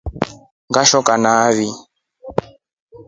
Ngashoka nai.